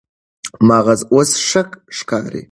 مغز اوس ښه ښکاري.